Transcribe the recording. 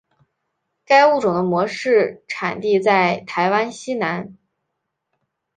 该物种的模式产地在台湾西南。